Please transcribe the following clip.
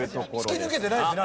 突き抜けてないですね